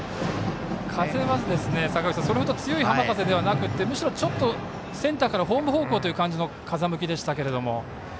風は、それほど強い浜風ではなくてむしろちょっとセンターからホーム方向という感じの風向きでしたけども。